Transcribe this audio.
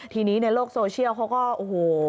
ทีนี้ในโลกโซเชียลเขาก็โอ้โห